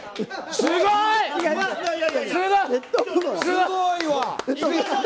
すごいわ。